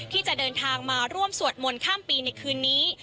ที่จะเดินทางมาร่วมสวดมนต์ข้ามปีในคืนนี้